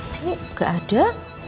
sini nggak ada